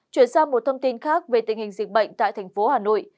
chuyển sang một thông tin khác về tình hình dịch bệnh tại thành phố hà nội